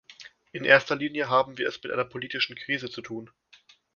In erster Linie haben wir es mit einer politischen Krise zu tun.